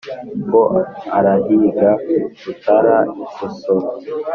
ngo arahiga rutaratsa-busoro.